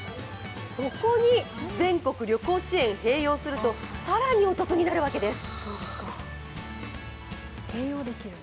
そこに全国旅行支援併用すると、更にお得になるわけです。